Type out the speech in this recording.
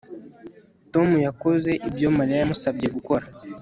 Tom yakoze ibyo Mariya yamusabye gukora